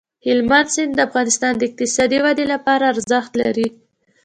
هلمند سیند د افغانستان د اقتصادي ودې لپاره ارزښت لري.